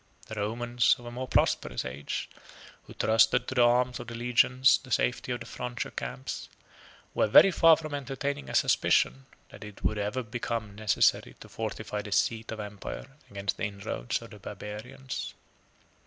The Romans of a more prosperous age, who trusted to the arms of the legions the safety of the frontier camps, 44 were very far from entertaining a suspicion that it would ever become necessary to fortify the seat of empire against the inroads of the barbarians.